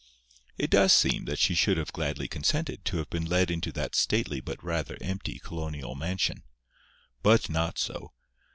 It does seem that she should have gladly consented to have been led into that stately but rather empty colonial mansion. But not so.